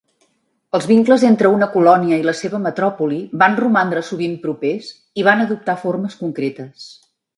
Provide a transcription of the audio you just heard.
Els vincles entre una colònia i la seva metròpoli van romandre sovint propers i van adoptar formes concretes.